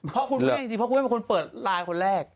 เพราะคุณแม่จริงเพราะคุณแม่เป็นคนเปิดไลน์คนแรก